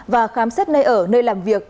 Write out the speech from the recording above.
và khám xét nơi ở nơi làm việc